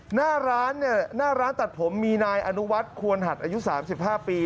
หน้าร้านเนี่ยหน้าร้านตัดผมมีนายอนุวัฒน์ควรหัดอายุ๓๕ปี